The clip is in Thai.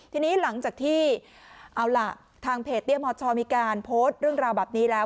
ทีนี้หลังจากที่เอาล่ะทางเพจเตี้ยมชมีการโพสต์เรื่องราวแบบนี้แล้ว